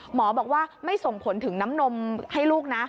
หมอบอกว่าไม่ส่งผลถึงน้ำนมให้ลูกนะ